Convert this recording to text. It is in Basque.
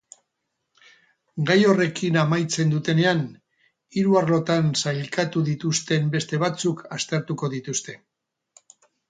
Gai horrekin amaitzen dutenean, hiru arlotan sailkatu dituzten beste batzuk aztertuko dituzte.